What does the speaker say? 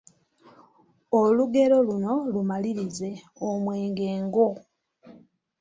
Olugero luno lumalirize: Omwenge ngo, ….